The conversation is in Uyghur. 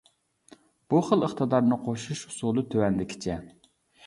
بۇ خىل ئىقتىدارنى قوشۇش ئۇسۇلى تۆۋەندىكىچە.